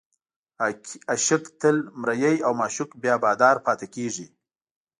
عاشق تل مریی او معشوق بیا بادار پاتې کېږي.